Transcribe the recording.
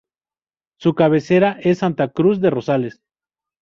Su cabecera es Santa Cruz de Rosales.